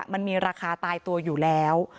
มันมีราคาตายตัวอยู่แล้ว